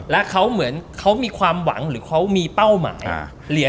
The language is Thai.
และเขาเหมือนเขามีความหวังหรือเขามีเป้าหมายเหรียญ